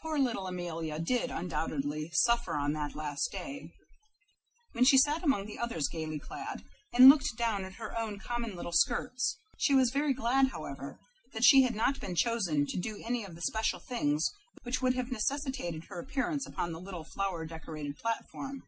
Poor little Amelia did undoubtedly suffer on that last day, when she sat among the others gaily clad, and looked down at her own common little skirts. She was very glad, however, that she had not been chosen to do any of the special things which would have necessitated her appearance upon the little flower decorated platform.